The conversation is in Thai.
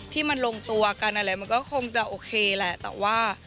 ที่มันลงตัวกันอะไรมันก็คงจะโอเคแหละแต่ว่า